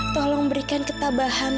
tolong berikan ketabahan